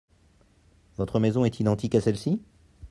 Votre maison est identique à celle-ci ?